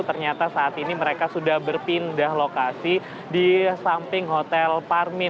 ternyata saat ini mereka sudah berpindah lokasi di samping hotel parmin